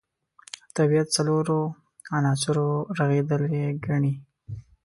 طبیعت څلورو عناصرو رغېدلی ګڼي.